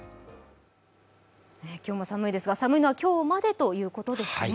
今日も寒いですが寒いのは今日までということです。